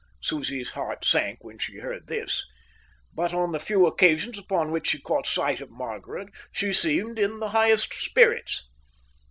Susie's heart sank when she heard this; but on the few occasions upon which she caught sight of Margaret, she seemed in the highest spirits.